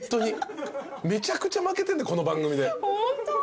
めちゃくちゃ負けてんでこの番組で。